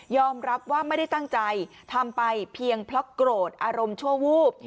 รับว่าไม่ได้ตั้งใจทำไปเพียงเพราะโกรธอารมณ์ชั่ววูบ